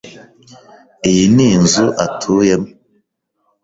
Iyi ni inzu atuyemo.